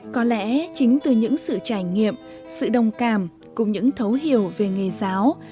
có lẽ chính từ những sự trải nghiệm sự đồng cảm cùng những thấu hiểu về nghề giáo